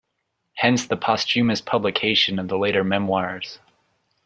Hence the posthumous publication of the later memoirs.